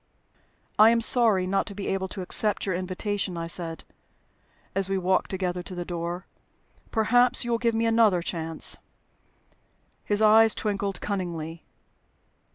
"I am sorry not to be able to accept your invitation," I said, as we walked together to the door. "Perhaps you will give me another chance?" His eyes twinkled cunningly.